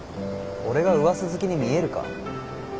俺がうわさ好きに見えるか？